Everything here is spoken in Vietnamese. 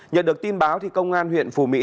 nhận được tin báo công an huyện phù mỹ